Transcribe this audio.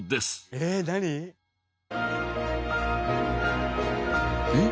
えっえっ？